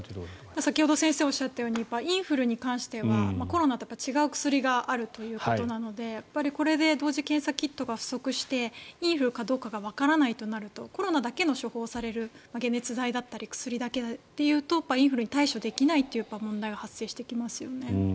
先ほど先生がおっしゃったようにインフルに関してはコロナと違う薬があるということなのでこれで同時検査キットが不足してインフルかどうかがわからないとなるとコロナだけの処方される解熱剤だったり薬だけってなるとインフルに対処できないという問題が発生してきますよね。